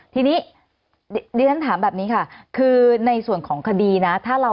ทีนี้ดิฉันถามแบบนี้ค่ะคือในส่วนของคดีนะ